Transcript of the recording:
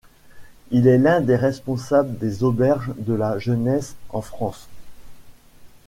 Il est l'un des responsables des Auberges de la jeunesse en France.